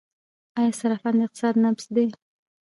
آیا صرافان د اقتصاد نبض دي؟